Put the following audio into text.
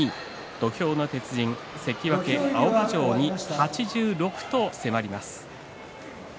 土俵の鉄人、関脇青葉城に８６と迫ります。